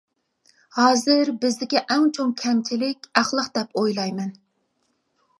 ھازىر بىزدىكى ئەڭ چوڭ كەمچىللىك ئەخلاق دەپ ئويلايمەن.